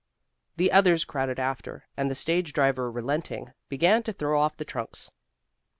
The others crowded after, and the stage driver relenting, began to throw off the trunks.